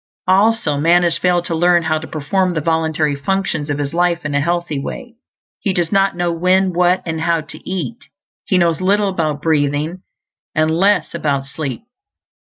Also, man has failed to learn how to perform the voluntary functions of his life in a healthy way. He does not know when, what, and how to eat; he knows little about breathing, and less about sleep.